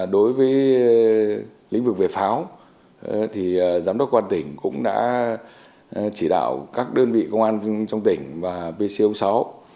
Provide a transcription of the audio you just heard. đối với lĩnh vực về pháo giám đốc quan tỉnh cũng đã chỉ đạo các đơn vị công an trong tỉnh và pco sáu